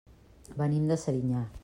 Venim de Serinyà.